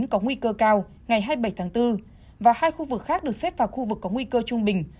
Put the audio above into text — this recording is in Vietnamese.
có nguy cơ cao ngày hai mươi bảy tháng bốn và hai khu vực khác được xếp vào khu vực có nguy cơ trung bình